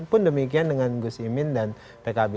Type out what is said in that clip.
pun demikian dengan gus imin dan pkb